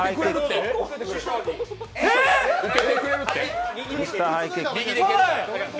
受けてくれるって。